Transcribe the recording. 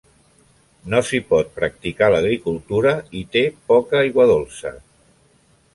No s'hi pot practicar l'agricultura i té poca aigua dolça.